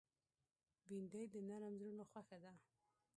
بېنډۍ د نرم زړونو خوښه ده